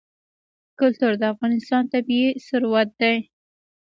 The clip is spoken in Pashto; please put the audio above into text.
کلتور د افغانستان طبعي ثروت دی.